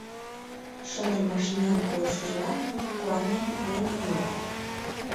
Шыде машинан койышыжлан нуно куанен веле улыт.